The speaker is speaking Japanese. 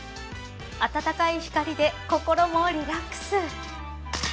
あたたかい光で心もリラックス